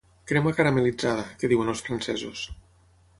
Crema caramel·litzada, que diuen els francesos.